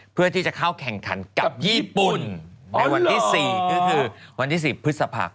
เพื่อที่จะเข้าแข่งขันกับญี่ปุ่นในวันที่๔ก็คือวันที่๑๐พฤษภา